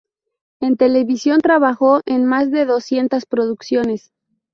En televisión trabajó en más de doscientas producciones.